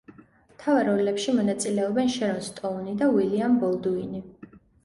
მთავარ როლებში მონაწილეობენ შერონ სტოუნი და უილიამ ბოლდუინი.